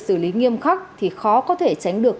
xử lý nghiêm khắc thì khó có thể tránh được